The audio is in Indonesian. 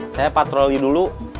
saya patroli dulu